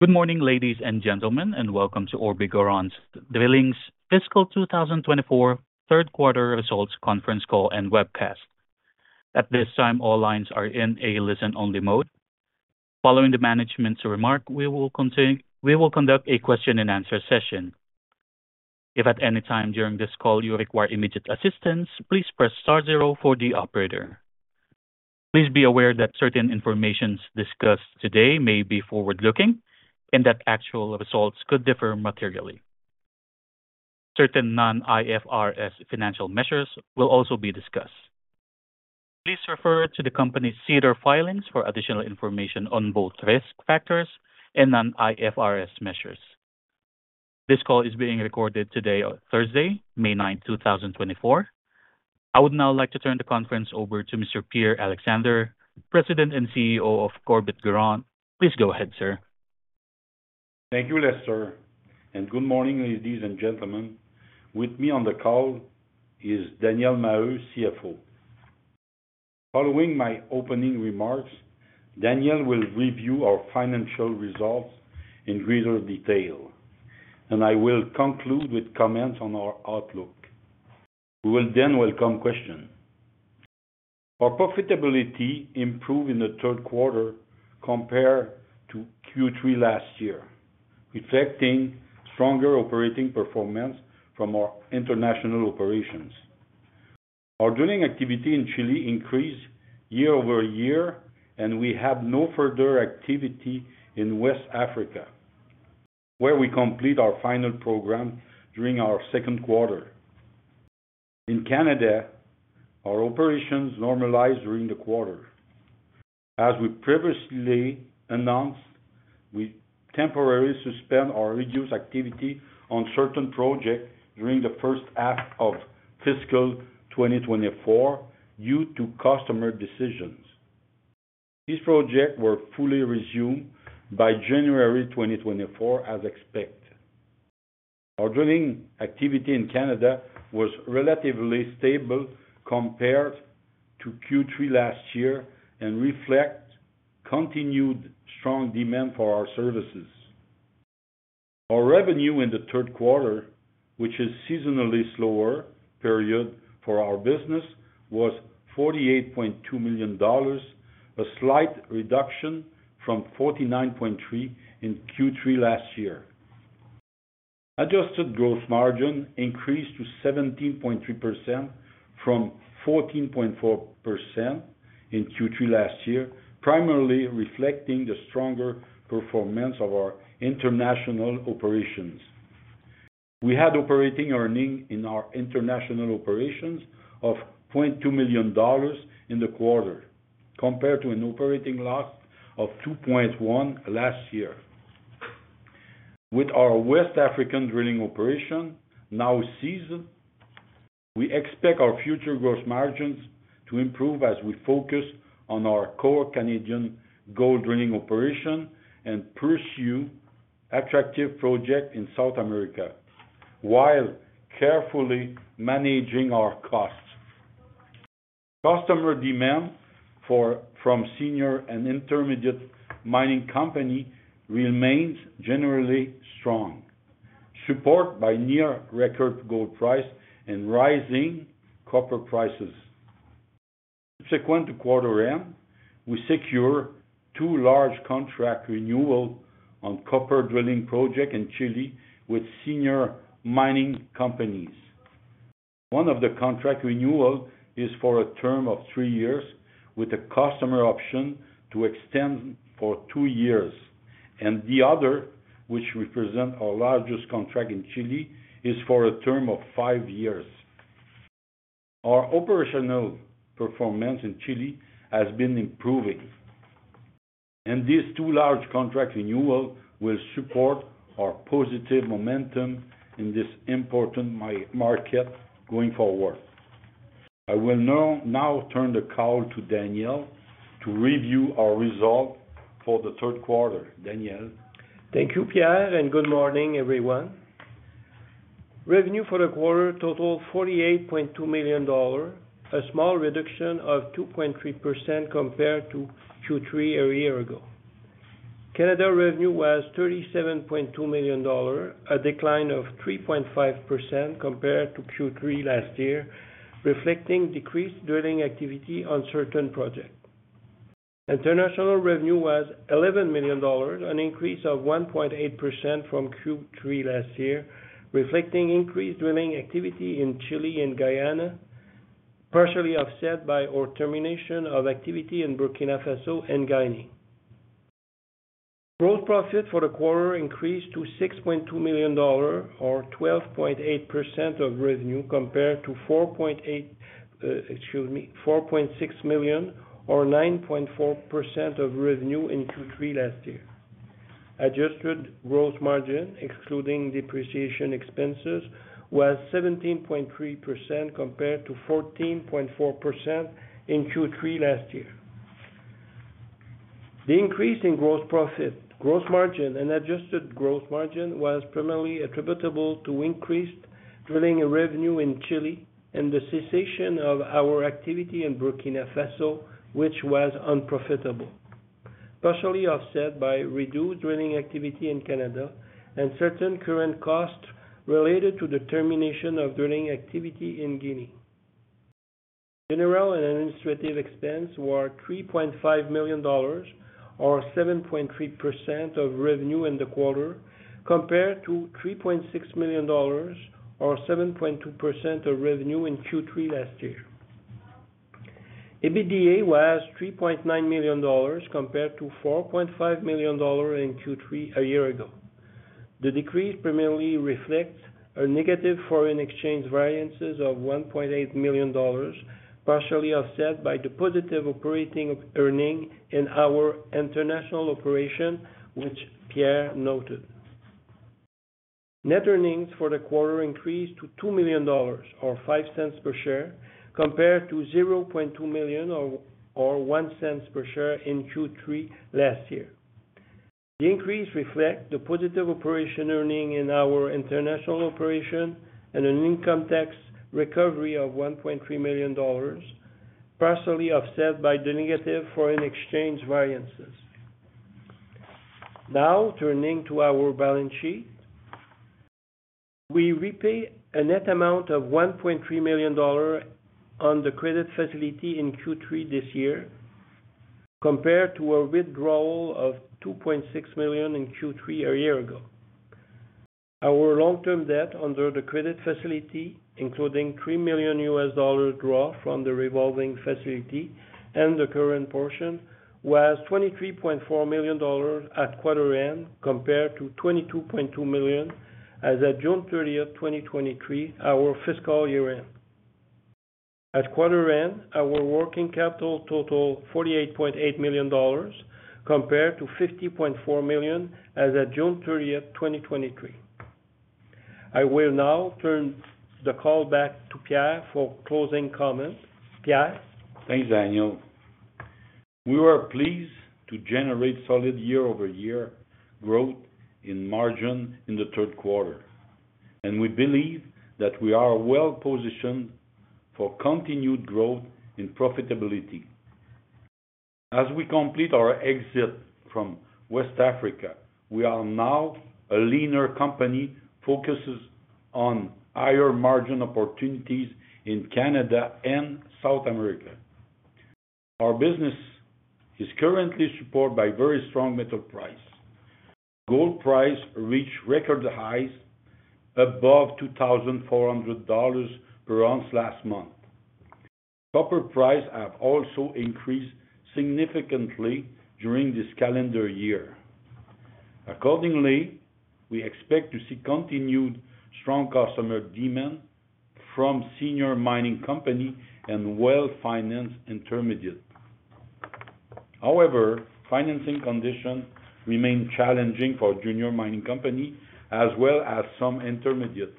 Good morning, ladies and gentlemen, and welcome to Orbit Garant Drilling's fiscal 2024 third quarter results conference call and webcast. At this time, all lines are in a listen-only mode. Following the management's remark, we will conduct a question-and-answer session. If at any time during this call you require immediate assistance, please press star 0 for the operator. Please be aware that certain information discussed today may be forward-looking and that actual results could differ materially. Certain non-IFRS financial measures will also be discussed. Please refer to the company's SEDAR filings for additional information on both risk factors and non-IFRS measures. This call is being recorded today, Thursday, May 9, 2024. I would now like to turn the conference over to Mr. Pierre Alexandre, President and CEO of Orbit Garant. Please go ahead, sir. Thank you, Lester, and good morning, ladies and gentlemen. With me on the call is Daniel Maheu, CFO. Following my opening remarks, Daniel will review our financial results in greater detail, and I will conclude with comments on our outlook. We will then welcome questions. Our profitability improved in the third quarter compared to Q3 last year, reflecting stronger operating performance from our international operations. Our drilling activity in Chile increased year-over-year, and we have no further activity in West Africa, where we complete our final program during our second quarter. In Canada, our operations normalized during the quarter. As we previously announced, we temporarily suspend our reduced activity on certain projects during the first half of Fiscal 2024 due to customer decisions. These projects were fully resumed by January 2024, as expected. Our drilling activity in Canada was relatively stable compared to Q3 last year and reflects continued strong demand for our services. Our revenue in the third quarter, which is seasonally slower period for our business, was 48.2 million dollars, a slight reduction from 49.3 million in Q3 last year. Adjusted gross margin increased to 17.3% from 14.4% in Q3 last year, primarily reflecting the stronger performance of our international operations. We had operating earnings in our international operations of 0.2 million dollars in the quarter, compared to an operating loss of 2.1 million last year. With our West African drilling operation now seasoned, we expect our future gross margins to improve as we focus on our core Canadian gold drilling operation and pursue attractive projects in South America while carefully managing our costs. Customer demand from senior and intermediate mining companies remains generally strong, supported by near-record gold prices and rising copper prices. Subsequent to quarter end, we secured two large contract renewals on copper drilling projects in Chile with senior mining companies. One of the contract renewals is for a term of three years, with a customer option to extend for two years, and the other, which represents our largest contract in Chile, is for a term of five years. Our operational performance in Chile has been improving, and these two large contract renewals will support our positive momentum in this important market going forward. I will now turn the call to Daniel to review our results for the third quarter. Daniel. Thank you, Pierre, and good morning, everyone. Revenue for the quarter totaled 48.2 million dollars, a small reduction of 2.3% compared to Q3 a year ago. Canada revenue was 37.2 million dollars, a decline of 3.5% compared to Q3 last year, reflecting decreased drilling activity on certain projects. International revenue was 11 million dollars, an increase of 1.8% from Q3 last year, reflecting increased drilling activity in Chile and Guyana, partially offset by our termination of activity in Burkina Faso and Guinea. Gross profit for the quarter increased to 6.2 million dollar, or 12.8% of revenue, compared to 4.6 million, or 9.4% of revenue in Q3 last year. Adjusted gross margin, excluding depreciation expenses, was 17.3% compared to 14.4% in Q3 last year. The increase in gross profit, gross margin, and adjusted gross margin was primarily attributable to increased drilling revenue in Chile and the cessation of our activity in Burkina Faso, which was unprofitable, partially offset by reduced drilling activity in Canada and certain current costs related to the termination of drilling activity in Guinea. General and administrative expenses were 3.5 million dollars, or 7.3% of revenue in the quarter, compared to 3.6 million dollars, or 7.2% of revenue in Q3 last year. EBITDA was 3.9 million dollars, compared to 4.5 million dollars in Q3 a year ago. The decrease primarily reflects a negative foreign exchange variance of 1.8 million dollars, partially offset by the positive operating earnings in our international operation, which Pierre noted. Net earnings for the quarter increased to 2 million dollars, or 0.05 per share, compared to 0.2 million, or 0.01 per share, in Q3 last year. The increase reflects the positive operating earnings in our international operations and an income tax recovery of 1.3 million dollars, partially offset by the negative foreign exchange variances. Now turning to our balance sheet. We repay a net amount of 1.3 million dollars on the credit facility in Q3 this year, compared to a withdrawal of 2.6 million in Q3 a year ago. Our long-term debt under the credit facility, including CAD 3 million draw from the revolving facility and the current portion, was 23.4 million dollars at quarter end, compared to 22.2 million as of June 30, 2023, our fiscal year end. At quarter end, our working capital totaled 48.8 million dollars, compared to 50.4 million as of June 30, 2023. I will now turn the call back to Pierre for closing comments. Pierre. Thanks, Daniel. We were pleased to generate solid year-over-year growth in margin in the third quarter, and we believe that we are well positioned for continued growth in profitability. As we complete our exit from West Africa, we are now a leaner company focused on higher margin opportunities in Canada and South America. Our business is currently supported by very strong metal prices. Gold prices reached record highs above $2,400 per ounce last month. Copper prices have also increased significantly during this calendar year. Accordingly, we expect to see continued strong customer demand from senior mining companies and well-financed intermediates. However, financing conditions remain challenging for junior mining companies as well as some intermediates.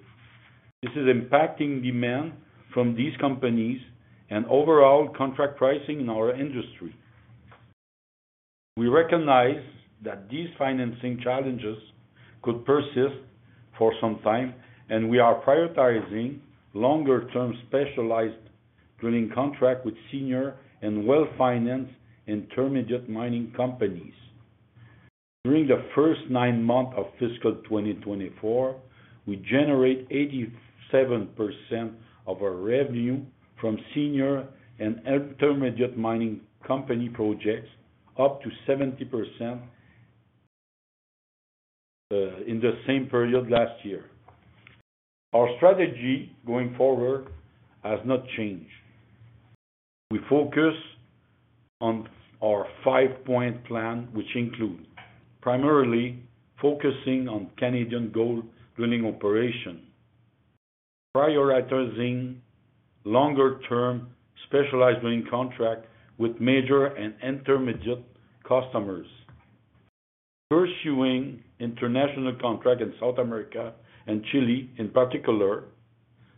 This is impacting demand from these companies and overall contract pricing in our industry. We recognize that these financing challenges could persist for some time, and we are prioritizing longer-term specialized drilling contracts with senior and well-financed intermediate mining companies. During the first 9 months of fiscal 2024, we generated 87% of our revenue from senior and intermediate mining company projects, up to 70% in the same period last year. Our strategy going forward has not changed. We focus on our 5-point plan, which includes primarily focusing on Canadian gold drilling operations, prioritizing longer-term specialized drilling contracts with major and intermediate customers, pursuing international contracts in South America and Chile in particular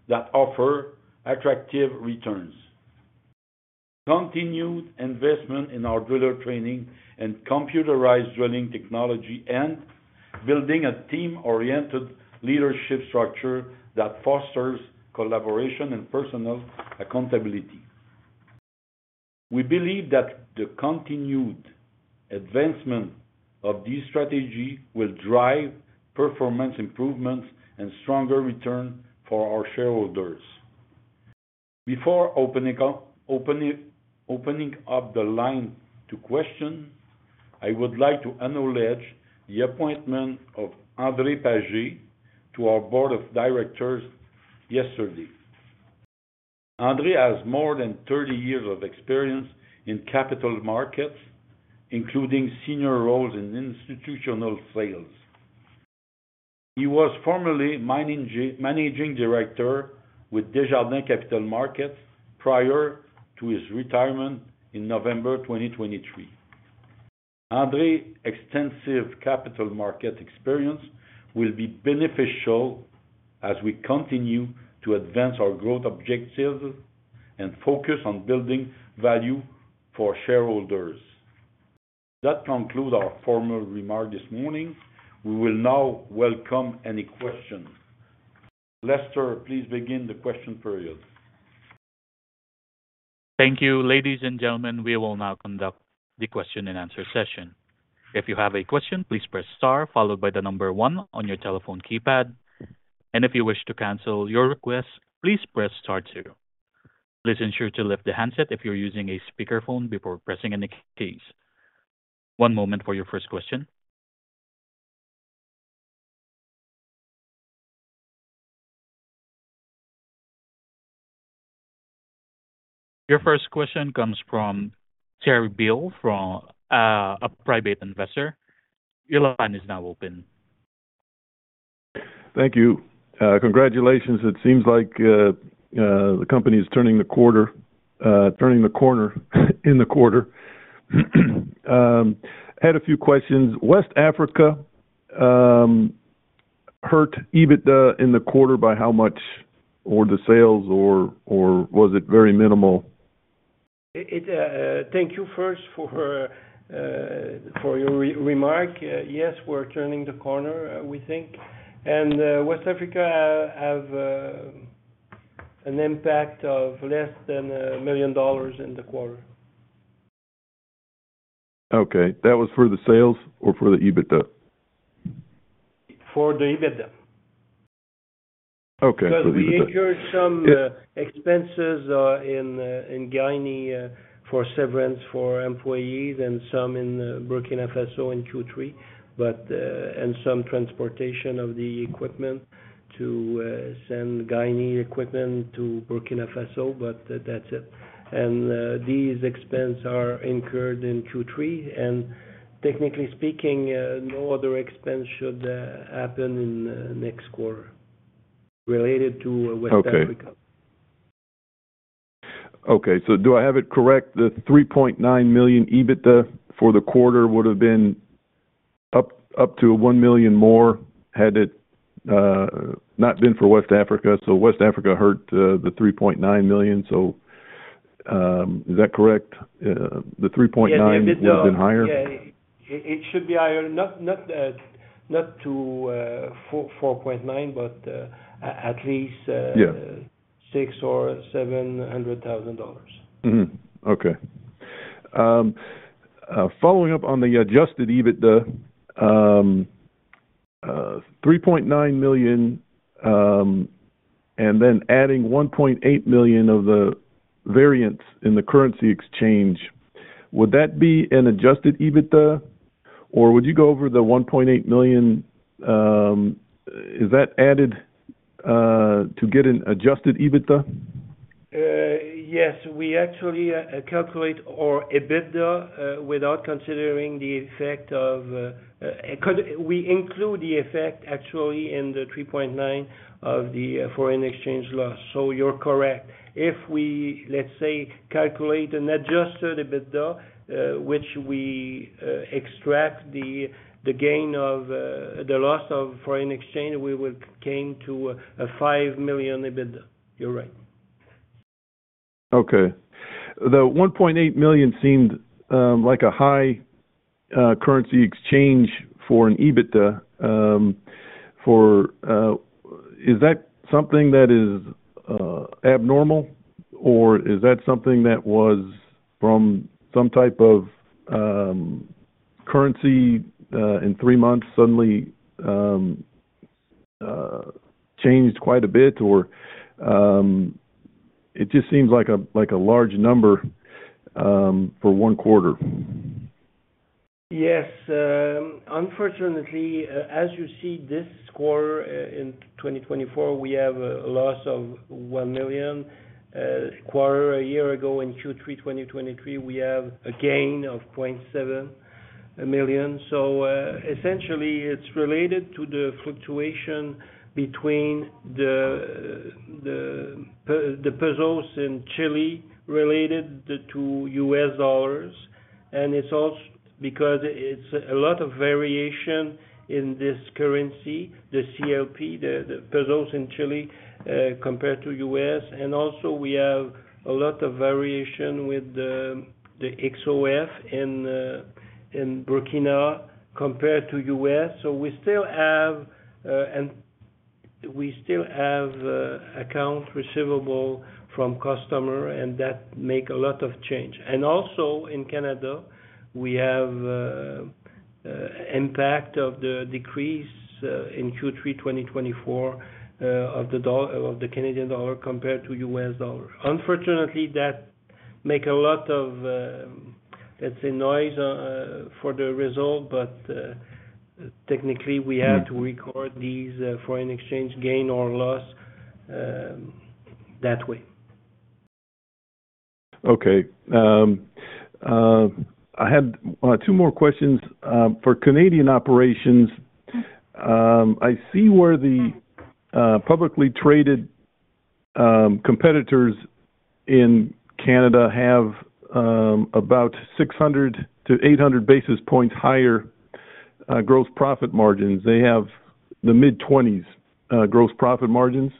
that offer attractive returns, continued investment in our driller training and computerized drilling technology, and building a team-oriented leadership structure that fosters collaboration and personal accountability. We believe that the continued advancement of this strategy will drive performance improvements and stronger returns for our shareholders. Before opening up the line to questions, I would like to acknowledge the appointment of André Pagé to our Board of Directors yesterday. André has more than 30 years of experience in capital markets, including senior roles in institutional sales. He was formerly managing director with Desjardins Capital Markets prior to his retirement in November 2023. André's extensive capital market experience will be beneficial as we continue to advance our growth objectives and focus on building value for shareholders. That concludes our formal remarks this morning. We will now welcome any questions. Lester, please begin the question period. Thank you. Ladies and gentlemen, we will now conduct the question-and-answer session. If you have a question, please press star followed by the number one on your telephone keypad, and if you wish to cancel your request, please press star two. Please ensure to lift the handset if you're using a speakerphone before pressing any keys. One moment for your first question. Your first question comes from Terry Bill, a private investor. Your line is now open. Thank you. Congratulations. It seems like the company is turning the corner in the quarter. I had a few questions. West Africa hurt EBITDA in the quarter by how much, or the sales, or was it very minimal? Thank you first for your remark. Yes, we're turning the corner, we think. West Africa has an impact of less than 1 million dollars in the quarter. Okay. That was for the sales or for the EBITDA? For the EBITDA. Okay. So EBITDA. We incurred some expenses in Guinea for severance for employees and some in Burkina Faso in Q3, and some transportation of the equipment to send Guinea equipment to Burkina Faso, but that's it. These expenses are incurred in Q3, and technically speaking, no other expense should happen in the next quarter related to West Africa. Okay. So do I have it correct? The 3.9 million EBITDA for the quarter would have been up to 1 million more had it not been for West Africa. So West Africa hurt the 3.9 million. So is that correct? The 3.9 million wasn't higher? Yeah. It should be higher, not to 4.9, but at least 600,000 or 700,000 dollars. Okay. Following up on the Adjusted EBITDA, 3.9 million and then adding 1.8 million of the variance in the currency exchange, would that be an Adjusted EBITDA, or would you go over the 1.8 million? Is that added to get an Adjusted EBITDA? Yes. We actually calculate our EBITDA. We include the effect, actually, in the 3.9 of the foreign exchange loss. So you're correct. If we, let's say, calculate an adjusted EBITDA, which we extract the loss of foreign exchange, we would came to a 5 million EBITDA. You're right. Okay. The 1.8 million seemed like a high currency exchange for an EBITDA. Is that something that is abnormal, or is that something that was from some type of currency in three months suddenly changed quite a bit, or it just seems like a large number for one quarter? Yes. Unfortunately, as you see this quarter in 2024, we have a loss of 1 million. Quarter a year ago in Q3 2023, we have a gain of 0.7 million. So essentially, it's related to the fluctuation between the pesos in Chile related to U.S. dollars, and it's also because it's a lot of variation in this currency, the CLP, the pesos in Chile compared to U.S. And also, we have a lot of variation with the XOF in Burkina compared to U.S. So we still have account receivable from customers, and that makes a lot of change. And also, in Canada, we have the impact of the decrease in Q3 2024 of the Canadian dollar compared to U.S. dollar. Unfortunately, that makes a lot of, let's say, noise for the result, but technically, we have to record these foreign exchange gain or loss that way. Okay. I had two more questions. For Canadian operations, I see where the publicly traded competitors in Canada have about 600 basis points-800 basis points higher gross profit margins. They have the mid-20s gross profit margins.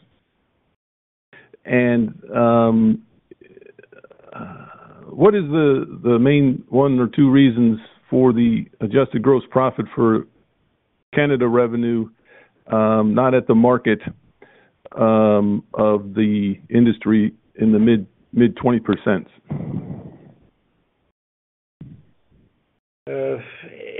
What is the main one or two reasons for the adjusted gross profit for Canada revenue not at the market of the industry in the mid-20%?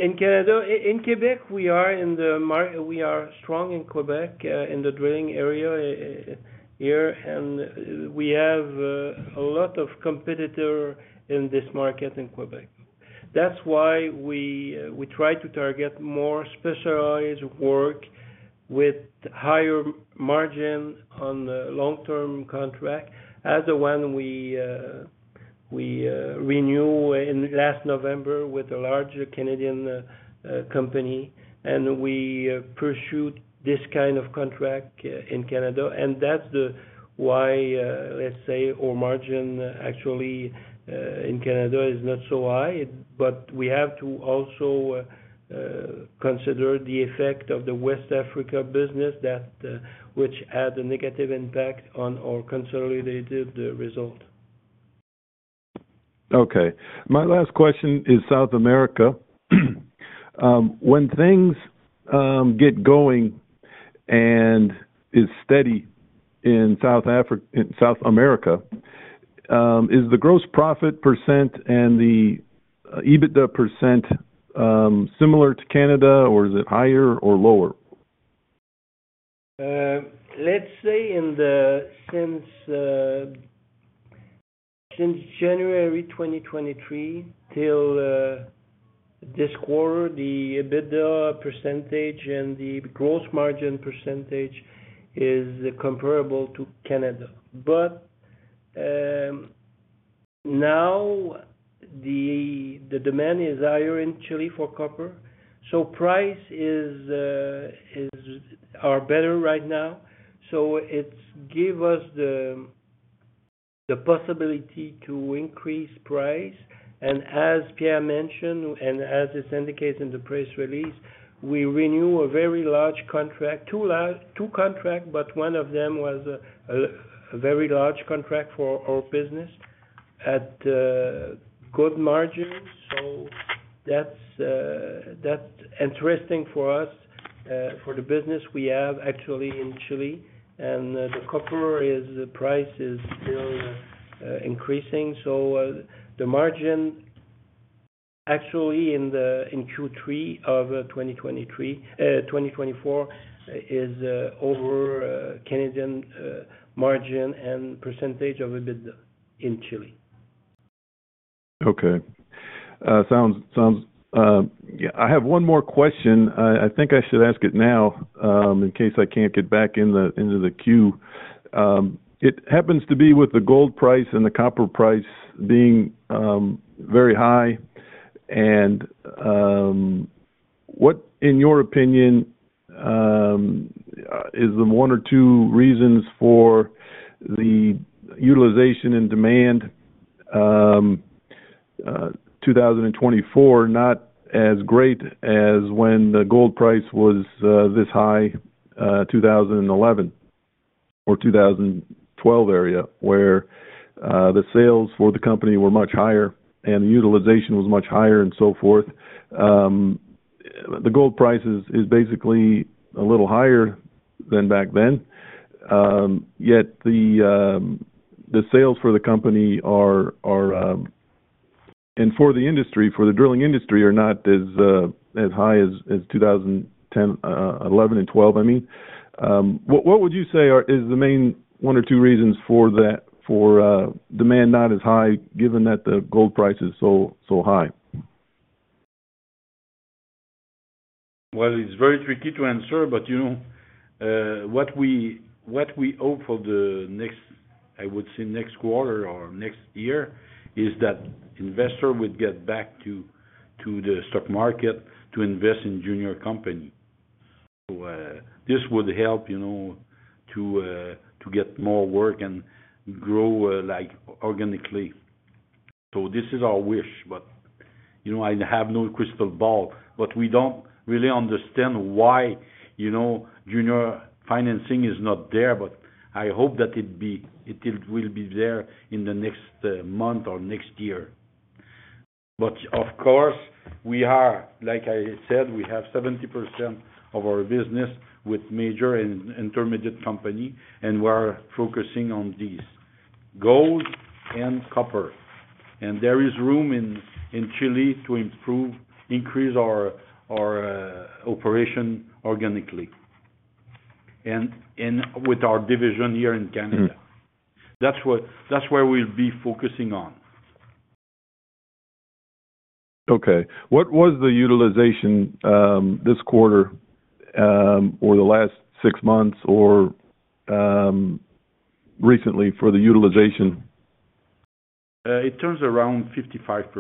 In Quebec, we are strong in Quebec, in the drilling area here, and we have a lot of competitors in this market in Quebec. That's why we try to target more specialized work with higher margins on the long-term contract as the one we renewed last November with a large Canadian company, and we pursued this kind of contract in Canada. And that's why, let's say, our margin actually in Canada is not so high, but we have to also consider the effect of the West Africa business, which had a negative impact on our consolidated result. Okay. My last question is South America. When things get going and are steady in South America, is the gross profit percent and the EBITDA percent similar to Canada, or is it higher or lower? Let's say since January 2023 till this quarter, the EBITDA percentage and the gross margin percentage are comparable to Canada. But now, the demand is higher in Chile for copper, so prices are better right now. So it gives us the possibility to increase price. And as Pierre mentioned and as it's indicated in the press release, we renewed a very large contract, two contracts, but one of them was a very large contract for our business at good margins. So that's interesting for us, for the business we have actually in Chile. And the copper price is still increasing. So the margin, actually, in Q3 of 2024 is over Canadian margin and percentage of EBITDA in Chile. Okay. Yeah. I have one more question. I think I should ask it now in case I can't get back into the queue. It happens to be with the gold price and the copper price being very high. And what, in your opinion, is the one or two reasons for the utilization and demand 2024 not as great as when the gold price was this high 2011 or 2012 area, where the sales for the company were much higher and the utilization was much higher and so forth? The gold price is basically a little higher than back then, yet the sales for the company are and for the drilling industry, are not as high as 2011 and 2012, I mean. What would you say is the main one or two reasons for demand not as high given that the gold price is so high? Well, it's very tricky to answer, but what we hope for the next, I would say, next quarter or next year is that investors would get back to the stock market to invest in junior companies. So this would help to get more work and grow organically. So this is our wish, but I have no crystal ball. But we don't really understand why junior financing is not there, but I hope that it will be there in the next month or next year. But of course, like I said, we have 70% of our business with major and intermediate companies, and we are focusing on these, gold and copper. And there is room in Chile to increase our operation organically with our division here in Canada. That's where we'll be focusing on. Okay. What was the utilization this quarter or the last six months or recently for the utilization? It turns around 55%.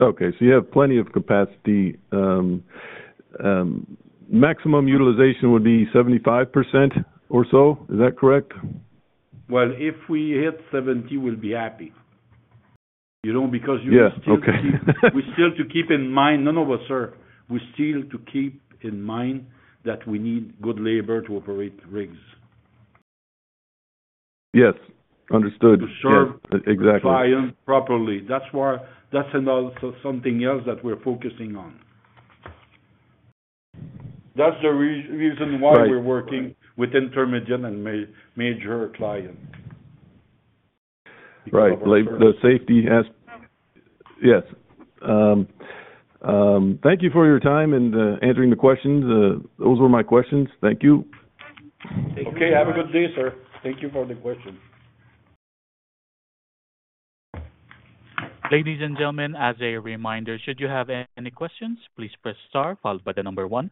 Okay. So you have plenty of capacity. Maximum utilization would be 75% or so. Is that correct? Well, if we hit 70, we'll be happy because we still have to keep in mind that we need good labor to operate rigs. Yes. Understood. To serve. Yes. Exactly. Client properly. That's something else that we're focusing on. That's the reason why we're working with intermediate and major clients because of our capacity. Right. The safety has. Yes. Thank you for your time and answering the questions. Those were my questions. Thank you. Okay. Have a good day, sir. Thank you for the question. Ladies and gentlemen, as a reminder, should you have any questions, please press star followed by the number one.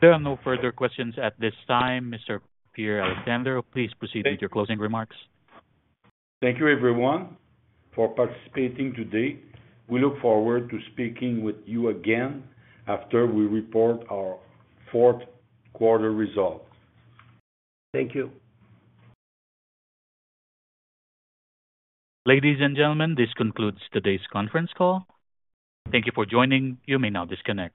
There are no further questions at this time. Mr. Pierre Alexandre, please proceed with your closing remarks. Thank you, everyone, for participating today. We look forward to speaking with you again after we report our fourth quarter result. Thank you. Ladies and gentlemen, this concludes today's conference call. Thank you for joining. You may now disconnect.